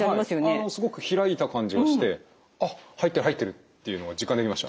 あのすごく開いた感じがしてあっ入ってる入ってるっていうのが実感できました。